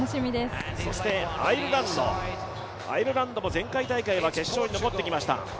そしてアイルランドも前回大会は決勝に残ってきました。